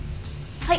はい。